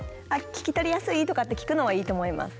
聞き取りやすい？とかって聞くのはいいと思います。